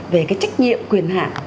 về cái trách nhiệm quyền hạ